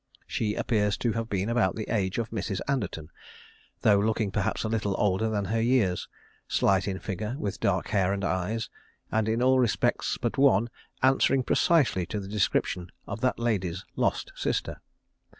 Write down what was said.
She appears to have been about the age of Mrs. Anderton, though looking perhaps a little older than her years; slight in figure, with dark hair and eyes, and in all respects but one answering precisely to the description of that lady's lost sister.